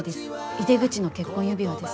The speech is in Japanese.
井出口の結婚指輪です。